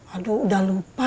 aduh udah lupa